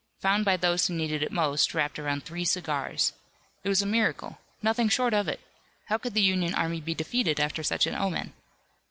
Found by those who needed it most wrapped around three cigars! It was a miracle! Nothing short of it! How could the Union army be defeated after such an omen?